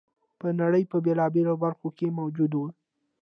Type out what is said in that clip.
په نړۍ په بېلابېلو برخو کې موجود و